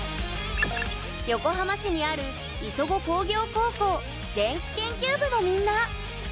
横浜市にある磯子工業高校電気研究部のみんな！